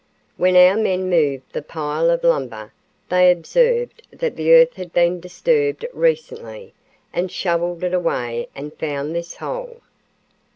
When our men moved the pile of lumber, they observed that the earth had been disturbed recently and shoveled it away and found this hole."